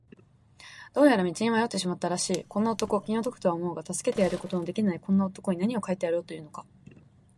どうやら道に迷ってしまったらしいこんな男、気の毒とは思うが助けてやることのできないこんな男に、なにを書いてやろうというのか。